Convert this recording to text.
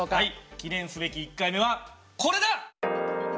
記念すべき１回目はこれだ！